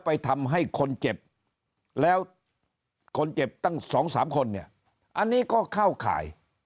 ไปทำให้คนเจ็บแล้วคนเจ็บตั้งสองสามคนเนี่ยอันนี้ก็เข้าข่าย